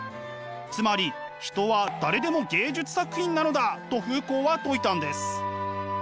つまり人は誰でも芸術作品なのだとフーコーは説いたんです。